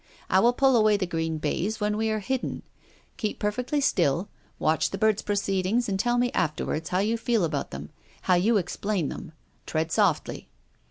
I will pull away the green baize when we are hidden. Keep perfectly still, watch the bird's proceedings, and tell me afterwards how you feel about them, how you explain them. Tread softly.'